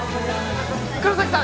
黒崎さん